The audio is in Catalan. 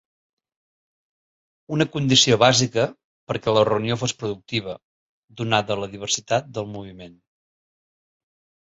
Una condició bàsica perquè la reunió fos productiva, donada la diversitat del moviment.